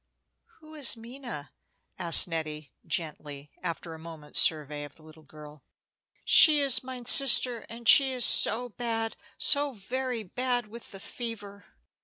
"Who is Minna?" asked Nettie, gently, after a moment's survey of the little girl. "She is mine sister, and she is so bad, so very bad, with the fever.